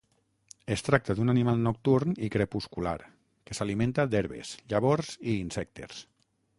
Es tracta d'un animal nocturn i crepuscular que s'alimenta d'herbes, llavors i insectes.